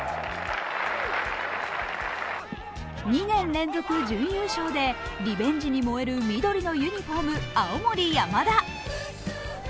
２年連続準優勝でリベンジに燃える緑のユニフォーム、青森山田。